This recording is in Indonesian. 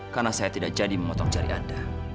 karena saya tidak jadi memotong jari anda